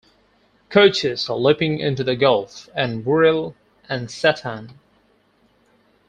"Curtius Leaping into the Gulf", and "Uriel and Satan".